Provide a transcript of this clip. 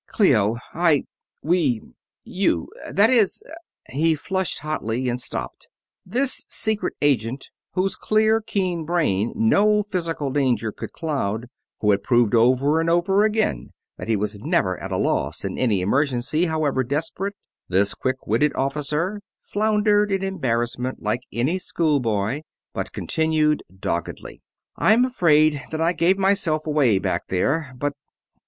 "Clio, I ... we ... you ... that is," he flushed hotly and stopped. This secret agent, whose clear, keen brain no physical danger could cloud; who had proved over and over again that he was never at a loss in any emergency, however desperate this quick witted officer floundered in embarrassment like any schoolboy; but continued, doggedly: "I'm afraid that I gave myself away back there, but...."